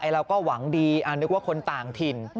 เราก็หวังดีนึกว่าคนต่างถิ่น